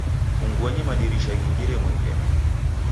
Funguonyi madirisha ghingire mwengere.